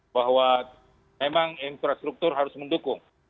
bahwa memang infrastruktur harus mendukung